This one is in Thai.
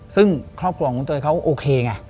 ซึ่งครอบครองตัวเขาโอเคไง